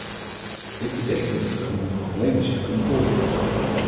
Dit betekent dat de genoemde problemen zich kunnen voordoen.